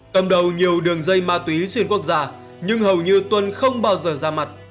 cầm đầu nhiều đường dây ma túy xuyên quốc giả nhưng hầu như tuần không bao giờ ra mặt